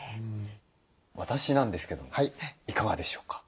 私なんですけどもいかがでしょうか？